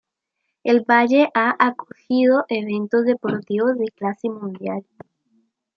El valle ha acogido eventos deportivos de clase mundial.